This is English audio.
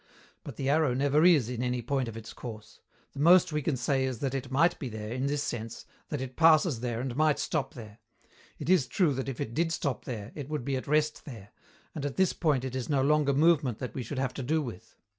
But the arrow never is in any point of its course. The most we can say is that it might be there, in this sense, that it passes there and might stop there. It is true that if it did stop there, it would be at rest there, and at this point it is no longer movement that we should have to do with.